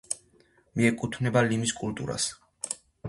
მიეკუთვნება ლიმის კულტურას.